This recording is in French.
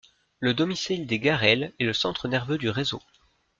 Le domicile des Garel est le centre nerveux du réseau.